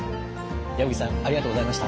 矢吹さんありがとうございました。